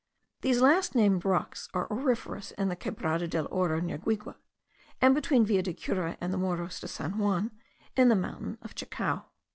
These last named rocks are auriferous in the Quebrada del Oro, near Guigue; and between Villa de Cura and the Morros de San Juan, in the mountain of Chacao.